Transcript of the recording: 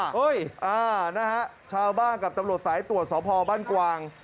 เฮ้ยนะฮะชาวบ้านกับตำรวจสายตรวจสพบ้านกวาง